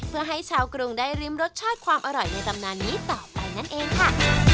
เพื่อให้ชาวกรุงได้ริมรสชาติความอร่อยในตำนานนี้ต่อไปนั่นเองค่ะ